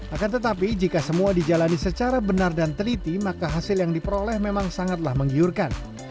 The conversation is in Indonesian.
akan tetapi jika semua dijalani secara benar dan teliti maka hasil yang diperoleh memang sangatlah menggiurkan